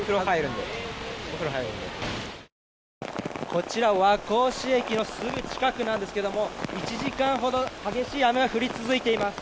こちら、和光市駅のすぐ近くなんですけども１時間ほど激しい雨が降り続いています。